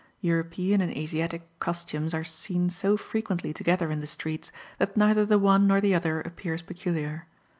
European and Asiatic costumes are seen so frequently together in the streets, that neither the one nor the other appears peculiar.